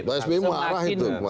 pak sby marah itu